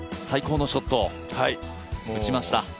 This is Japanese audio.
最高のショットを打ちました。